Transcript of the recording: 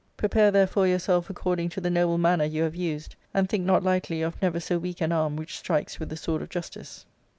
Prepare therefore yourself according to the noble manner you have used, and think not lightly of never so weak an arm which strikes with the sword of justice."